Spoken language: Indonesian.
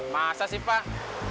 masa sih pak